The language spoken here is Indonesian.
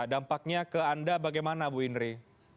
dampaknya ke anda bagaimana bu indri